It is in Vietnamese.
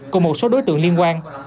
cùng một số đối tượng liên quan